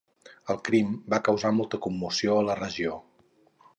El crim va causar molta commoció a la regió.